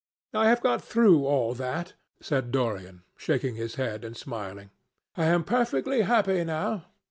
"I have got through all that," said Dorian, shaking his head and smiling. "I am perfectly happy now.